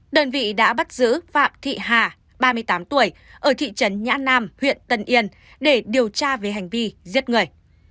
đơn vị đã bắt giữ phạm thị hà ba mươi tám tuổi ở thị trấn nhã nam huyện tân yên để điều tra về hành vi giết người